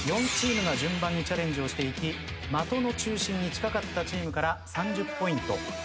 ４チームが順番にチャレンジをしていき的の中心に近かったチームから３０ポイント２０